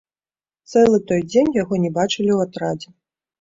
Цэлы той дзень яго не бачылі ў атрадзе.